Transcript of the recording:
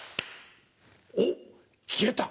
おっ消えた。